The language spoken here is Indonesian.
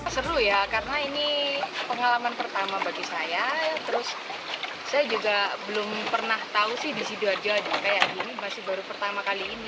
seru ya karena